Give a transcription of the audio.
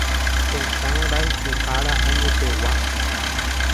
Tetãrayhuhára añetegua.